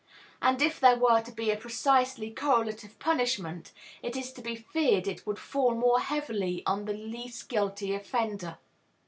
And, if there were to be a precisely correlative punishment, it is to be feared it would fall more heavily on the least guilty offender.